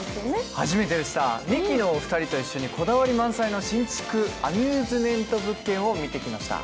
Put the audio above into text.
初めてでした、ミキのお二人と一緒にこだわり満載の新築アミューズメント物件を見てきました。